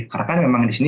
karena kan memang disini